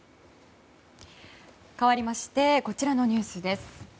かわりましてこちらのニュースです。